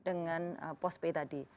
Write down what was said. dengan pos pay tadi